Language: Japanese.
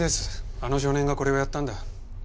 あの少年がこれをやったんだ。